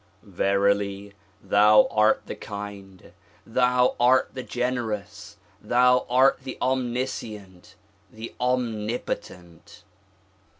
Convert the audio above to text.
Verily thou are the kind! Thou art the generous! Thou are the omniscient, the omnipotent